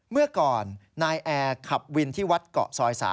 เมื่อก่อนนายแอร์ขับวินที่วัดเกาะซอย๓